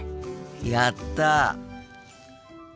やった！